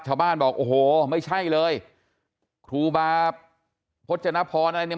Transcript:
บอกโอ้โหไม่ใช่เลยครูบาพจนพรอะไรเนี่ย